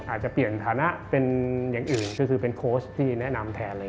อาจจะเปลี่ยนฐานะเป็นอย่างอื่นก็คือเป็นโค้ชที่แนะนำแทนเลย